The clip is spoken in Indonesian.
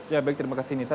ya baik terima kasih nisa